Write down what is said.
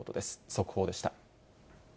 速報でした。